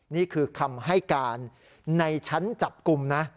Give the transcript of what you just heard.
นี่คือคำให้การในชั้นจับกลุ่มนะ